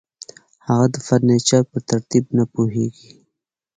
هغه د فرنیچر په ترتیب نه پوهیږي